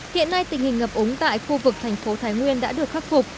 hiện nay tình hình ngập ống tại khu vực thành phố thái nguyên đã được khắc phục